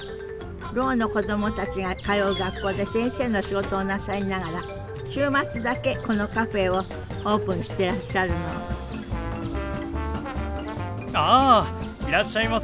ろうの子供たちが通う学校で先生の仕事をなさりながら週末だけこのカフェをオープンしてらっしゃるのあいらっしゃいませ。